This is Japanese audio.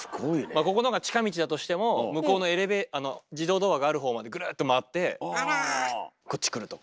ここのが近道だとしても向こうの自動ドアがあるほうまでぐるっと回ってこっち来るとか。